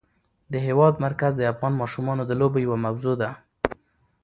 د هېواد مرکز د افغان ماشومانو د لوبو یوه موضوع ده.